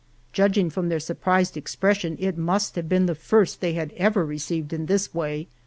Judging from their surprised expression it must have been the first they had ever received in this way.